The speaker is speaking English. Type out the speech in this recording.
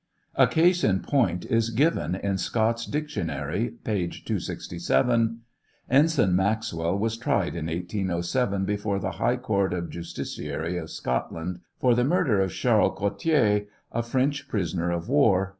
. A case in point is given in Scott's Dictionary, (page 267:) Ensiga Maxwell was tried in] 807, before the High Courtof Justiciary of Scotland, for the murder of Charles Cottier, a French prisoner of war.